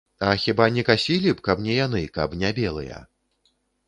А хіба не касілі б, каб не яны, каб не белыя?